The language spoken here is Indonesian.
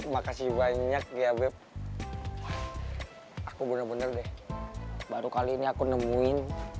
makasih banyak ya beb aku bener bener deh baru kali ini aku nemuin